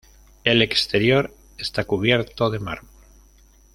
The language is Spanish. El exterior está cubierto de mármol.